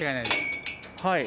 はい。